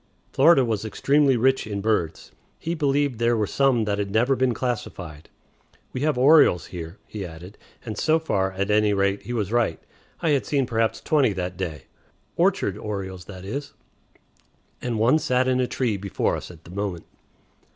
Florida was extremely rich in birds; he believed there were some that had never been classified. "We have orioles here," he added; and so far, at any rate, he was right; I had seen perhaps twenty that day (orchard orioles, that is), and one sat in a tree before us at the moment.